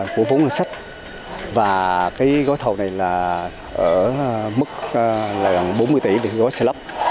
của vốn ngân sách và cái gói thầu này là ở mức là gần bốn mươi tỷ gói xây lắp